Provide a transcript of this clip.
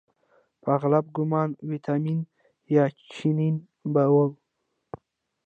په اغلب ګومان ویتنامیان یا چینایان به وو.